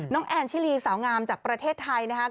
แอนชิลีสาวงามจากประเทศไทยนะครับ